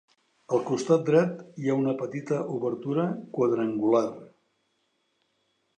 Al costat dret hi ha una petita obertura quadrangular.